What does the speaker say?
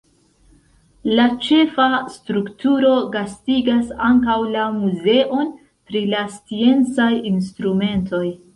La ĉefa strukturo gastigas ankaŭ la muzeon pri la sciencaj instrumentoj.